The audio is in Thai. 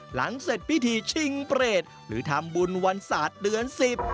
หลังเสร็จพิธีชิงเปรตหรือทำบุญวันศาสตร์เดือนสิบ